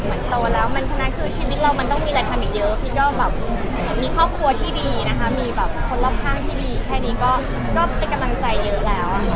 โตแล้วมันฉะนั้นคือชีวิตเรามันต้องมีอะไรทำอีกเยอะพีชก็แบบมีครอบครัวที่ดีนะคะมีแบบคนรอบข้างที่ดีแค่นี้ก็เป็นกำลังใจเยอะแล้ว